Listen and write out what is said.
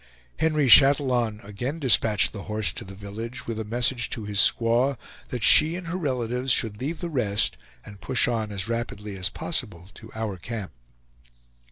Henry Chatillon again dispatched The Horse to the village, with a message to his squaw that she and her relatives should leave the rest and push on as rapidly as possible to our camp.